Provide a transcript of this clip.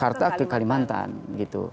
jakarta ke kalimantan gitu